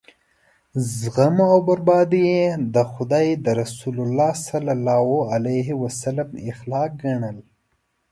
زغم او بردباري یې د خدای د رسول صلی الله علیه وسلم اخلاق ګڼل.